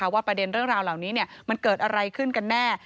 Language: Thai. ประเด็นเรื่องราวเหล่านี้มันเกิดอะไรขึ้นกันแน่